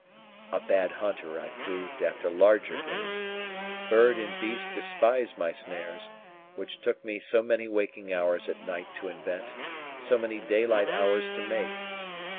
A bad hunter I proved after larger game. Bird and beast despised my snares, which took me so many waking hours at night to invent, so many daylight hours to make.